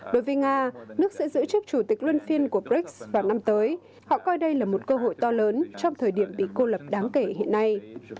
đối với nga nước sẽ giữ chức chủ tịch luân phiên của brics vào năm tới họ coi đây là một cơ hội to lớn trong thời điểm bị cô lập đáng kể hiện nay